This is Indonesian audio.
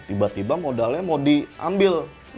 tiba tiba modalnya mau diambil